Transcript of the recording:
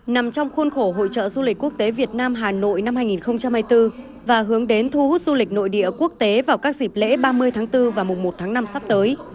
nằm trong khuôn khổ hội trợ du lịch quốc tế việt nam hà nội năm hai nghìn hai mươi bốn và hướng đến thu hút du lịch nội địa quốc tế vào các dịp lễ ba mươi tháng bốn và mùng một tháng năm sắp tới